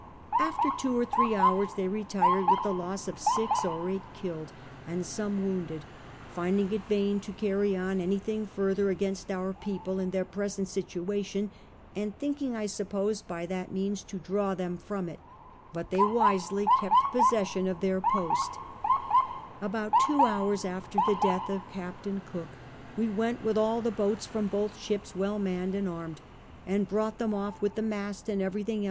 Afier two or three hours they retired with the loss of six or eight killed and some w'ounded, finding it vain to caiTy on any thill g^further against our people in their present situa tion, and thinking, I suppose, by that means to draw them IVoni it ; but they wisely kept possession of their post About two hours after the death of Captain Cook we went witli all the boats from both ships well manned and armed, and brought them off, with the mast and everything els